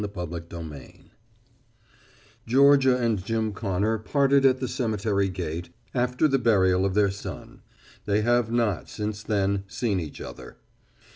XXX FRANKLAND & CONNOR Georgia and Jim Connor parted at the cemetery gate after the burial of their son. They have not, since then, seen each other.